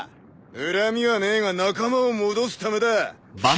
恨みはねえが仲間を戻すためだ。